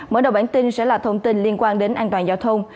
mở đầu bản tin sẽ là thông tin liên quan đến an toàn giao thông